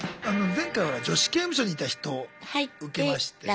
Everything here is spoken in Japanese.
前回ほら「女子刑務所にいた人」受けまして。